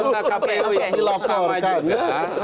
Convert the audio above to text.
anggota kpu itu sama juga